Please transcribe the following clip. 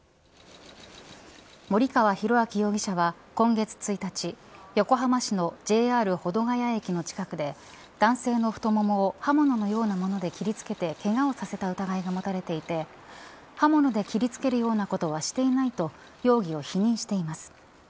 森川浩昭容疑者は今月１日、横浜市のＪＲ保土ケ谷駅の近くで男性の太ももを刃物のようなもので切りつけてけがをさせた疑いが持たれていて刃物で切りつけるようなことはしていないと容疑を否認しています。